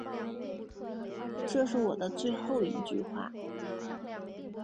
这是我的最后一句话